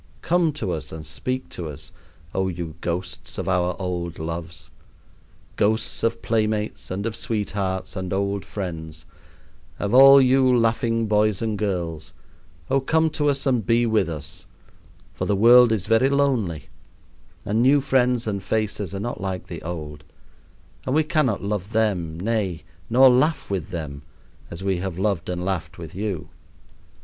Come to us and speak to us, oh you ghosts of our old loves! Ghosts of playmates, and of sweethearts, and old friends, of all you laughing boys and girls, oh, come to us and be with us, for the world is very lonely, and new friends and faces are not like the old, and we cannot love them, nay, nor laugh with them as we have loved and laughed with you.